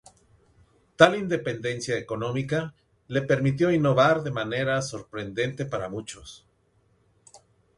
Tal independencia económica le permitió innovar de manera sorprendente para muchos.